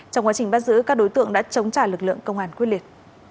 trong quá trình bắt giữ các đối tượng đã chống trả lực lượng công an quyết liệt